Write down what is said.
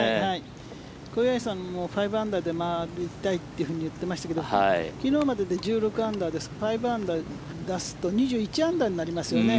小祝さんも５アンダーで回りたいって言っていましたけど昨日までで１６アンダーですから５アンダー出すと２１アンダーになりますよね。